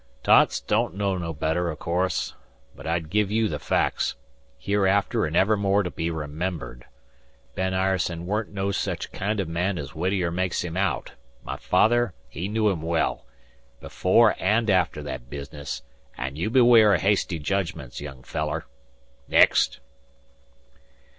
You don't know no better, o' course; but I've give you the facts, hereafter an' evermore to be remembered. Ben Ireson weren't no sech kind o' man as Whittier makes aout; my father he knew him well, before an' after that business, an' you beware o' hasty jedgments, young feller. Next!"